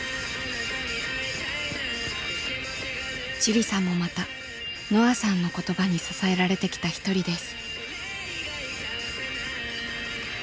ジュリさんもまたのあさんの言葉に支えられてきた一人です。